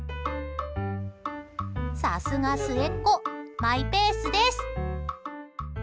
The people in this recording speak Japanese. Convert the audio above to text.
さすが末っ子、マイペースです。